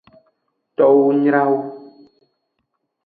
Towo nyra wu.